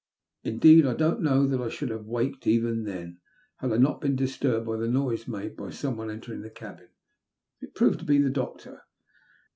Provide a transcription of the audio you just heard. Indeed, I don't know that I should have waked even then, had I not been disturbed by the noise made by someone entering the cabin. It proved to be the doctor.